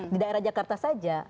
di daerah jakarta saja